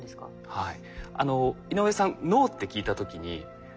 はい。